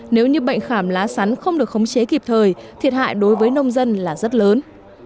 nếu như bệnh khảm lá sắn không được khống chế kịp thời thiệt hại đối với nông dân là rất lớn